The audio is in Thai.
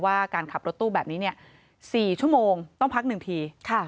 ว่าการขับรถตู้แบบนี้๔ชั่วโมงต้องพัก๑ที